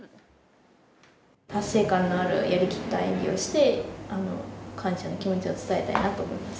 達成感のある、やりきった演技をして、感謝の気持ちを伝えたいなと思います。